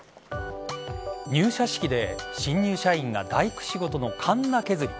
入社式で新入社員が大工仕事のかんな削り。